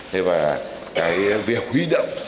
thế và cái việc huy động